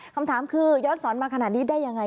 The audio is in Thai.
คำถามคือย้อนสอนมาขนาดนี้ได้ยังไง